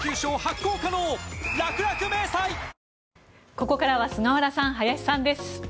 ここからは菅原さん、林さんです。